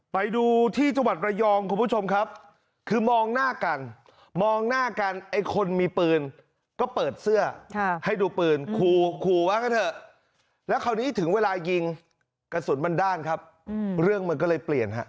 ไปดูที่จังหวัดระยองคุณผู้ชมครับคือมองหน้ากันมองหน้ากันไอ้คนมีปืนก็เปิดเสื้อให้ดูปืนขู่ขู่ว่ากันเถอะแล้วคราวนี้ถึงเวลายิงกระสุนมันด้านครับเรื่องมันก็เลยเปลี่ยนฮะ